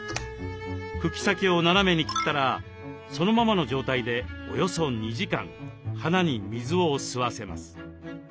茎先を斜めに切ったらそのままの状態でおよそ２時間花に水を吸わせます。